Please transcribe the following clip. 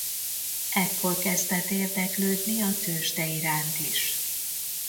Ekkor kezdett érdeklődni a tőzsde iránt is.